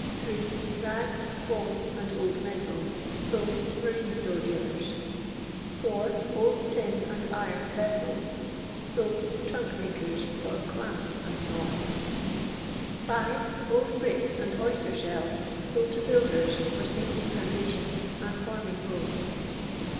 d. Rags, bones, and old metal, sold to marine store deslers. 4. Old tin and iron vessels, sold for "clamps " to trunks, &c., and for making copperas. 5. Old bricks and oyster shells, sold to builders, for sinking foundations, and forming roads.